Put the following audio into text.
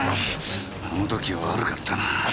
あの時は悪かったな。